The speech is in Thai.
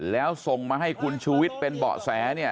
แล้วส่งมาให้คุณชุวิตเป็นเบาะแส